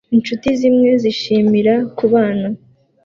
Inshuti zimwe zishimira kubana